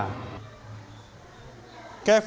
tapi dia itu juga sangat memuasai sekali gamelan jawa